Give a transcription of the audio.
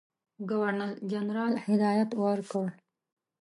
ګورنرجنرال هدایت ورکړ.